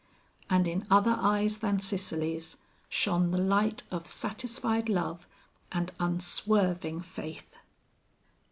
And in other eyes than Cicely's, shone the light of satisfied love and unswerving faith.